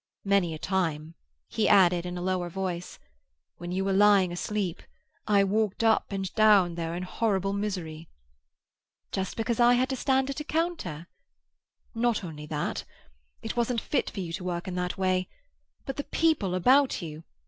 Many a time," he added, in a lower voice, "when you were lying asleep, I walked up and down there in horrible misery." "Just because I had to stand at a counter?" "Not only that. It wasn't fit for you to work in that way—but the people about you!